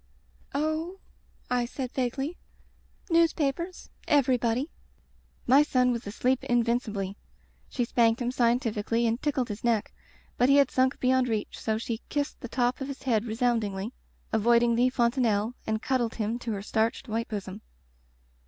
"Oh," I said vaguely, "newspapers— » everybody." My son was asleep invincibly. She spanked him scientifically and tickled his neck, but he had sunk beyond reach so she kissed the Digitized by LjOOQ IC The Rubber Stamp top of his head resoundingly, avoiding the fontanelie, and cuddled him to her starched white bosom.